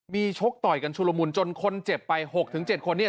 มีชกต่อยกันชุลมุนจนคนเจ็บไป๖๗คนเนี่ย